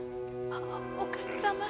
ああお勝様。